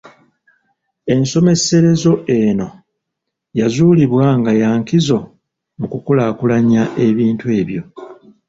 Ensomeserezo eno yazuulibwa nga ya nkizo mu kukulaakulanya ebintu ebyo.